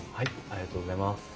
ありがとうございます。